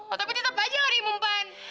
oh tapi tetap aja nggak diimumpan